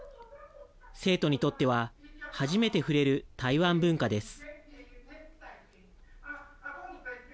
生徒にとっては初めて触れる台湾文化です。